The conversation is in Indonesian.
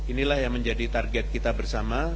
inilah yang menjadi target kita bersama